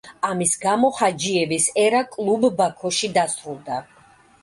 ამის გამო ჰაჯიევის ერა კლუბ ბაქოში დასრულდა.